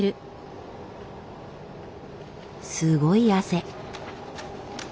すごい汗。